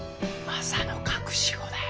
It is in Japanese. マサの隠し子だよ。